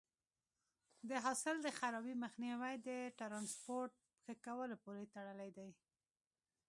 د حاصل د خرابي مخنیوی د ټرانسپورټ ښه کولو پورې تړلی دی.